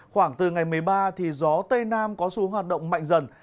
khoảng từ ngày một mươi ba thì gió tây nam có xu hướng hoạt động mạnh dần